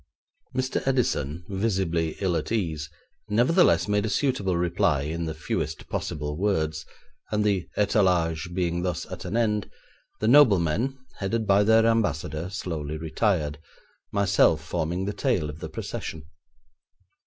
Mr. Edison, visibly ill at ease, nevertheless made a suitable reply in the fewest possible words, and the étalage being thus at an end, the noblemen, headed by their Ambassador, slowly retired, myself forming the tail of the procession.